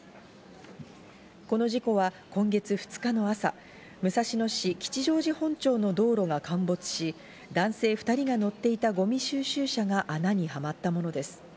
この事故は今月２日の朝、武蔵野市吉祥寺本町の道路が陥没し、男性２人が乗っていたゴミ収集車が穴にはまったものです。